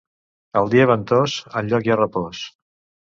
El dia ventós, enlloc hi ha repòs.